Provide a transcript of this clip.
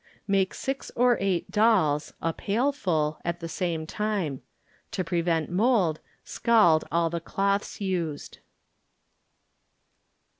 Make six or eight "dolls" ŌĆö a pailful ŌĆö at the same time. To prevent mold, scald all the cloths used.